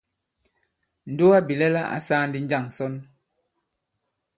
Ǹdugabìlɛla ǎ sāā ndī njâŋ ǹsɔn ?